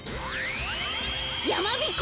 やまびこ